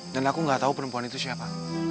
dan aku nggak tahu perempuan itu siapa